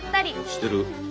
してる。